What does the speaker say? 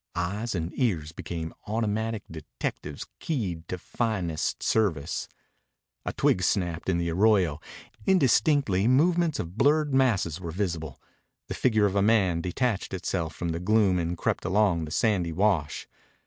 Eyes and ears became automatic detectives keyed to finest service. A twig snapped in the arroyo. Indistinctly movements of blurred masses were visible. The figure of a man detached itself from the gloom and crept along the sandy wash.